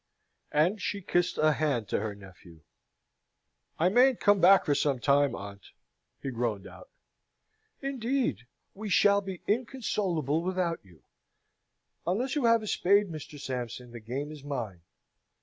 And she kissed a hand to her nephew. "I mayn't come back for some time, aunt," he groaned out. "Indeed! We shall be inconsolable without you! Unless you have a spade, Mr. Sampson, the game is mine.